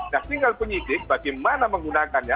nah tinggal penyidik bagaimana menggunakannya